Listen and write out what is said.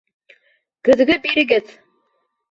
Көҙгө бирегеҙ!